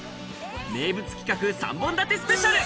名物企画３本立てスペシャル。